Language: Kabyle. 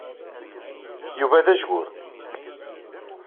Yuba d ajgur.